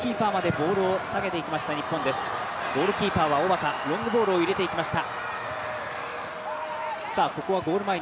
ゴールキーパーは小畑ロングボールを入れていきました。